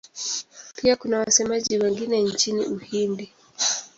Pia kuna wasemaji wengine nchini Uhindi.